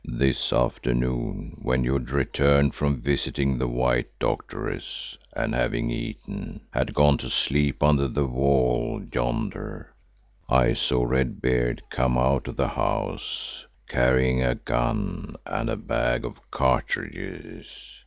"This afternoon, when you had returned from visiting the white doctoress and having eaten, had gone to sleep under the wall yonder, I saw Red Beard come out of the house carrying a gun and a bag of cartridges.